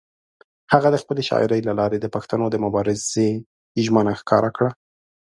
هغه د خپلې شاعرۍ له لارې د پښتنو د مبارزې ژمنه ښکاره کړه.